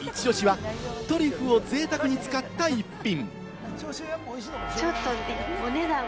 中でもイチオシはトリュフをぜいたくに使った一品。